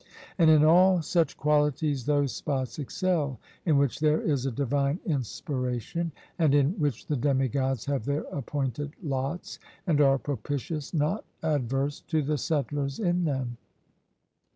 And in all such qualities those spots excel in which there is a divine inspiration, and in which the demigods have their appointed lots, and are propitious, not adverse, to the settlers in them.